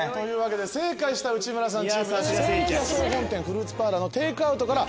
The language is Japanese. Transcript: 正解した内村さんチームには千疋屋総本店フルーツパーラーのテイクアウトから。